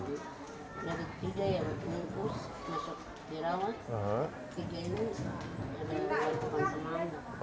ada tiga yang ingkus masuk dirawat tiga ini yang berubah ke rumah